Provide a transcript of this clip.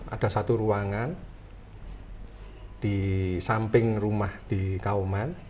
ada satu ruangan di samping rumah di kauman